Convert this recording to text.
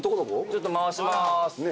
ちょっと回します。